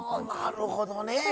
なるほどね！